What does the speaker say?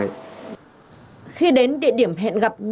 khi đến địa điểm hẹn gặp đánh nhau các đối tượng đã tập trung vào khu vực